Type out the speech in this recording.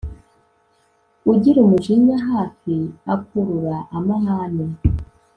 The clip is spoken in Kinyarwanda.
ugira umujinya hafi akurura amahane